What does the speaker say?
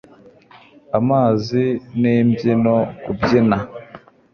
amazi nimbyino kubyina